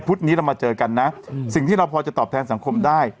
นี้เรามาเจอกันนะสิ่งที่เราพอจะตอบแทนสังคมได้